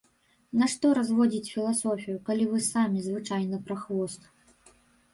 Нашто разводзіць філасофію, калі вы самы звычайны прахвост.